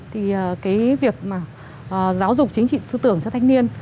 thì việc giáo dục chính trị tư tưởng cho thanh niên